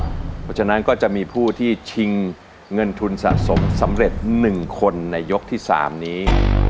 เพราะฉะนั้นก็จะมีผู้ที่ชิงเงินทุนสะสมสำเร็จ๑คนในยกที่๓นี้